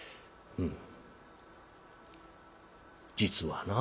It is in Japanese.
うん実はな」。